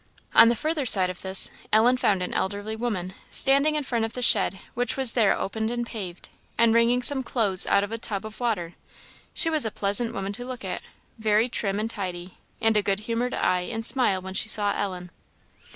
On the further side of this, Ellen found an elderly woman, standing in front of the shed, which was there open and paved, and wringing some clothes out of a tub of water. She was a pleasant woman to look at, very trim and tidy, and a good humored eye and smile when she saw Ellen.